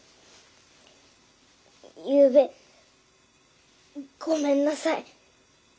ゆうべごめんなさい。